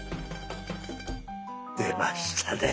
出ましたね。